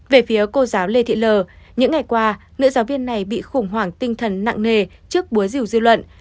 về phía cô giáo lê thị lờ những ngày qua nữ giáo viên này bị khủng hoảng tinh thần nặng nề trước búa rìu dư luận